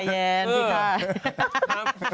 จังหรือเปล่าจังหรือเปล่าจังหรือเปล่า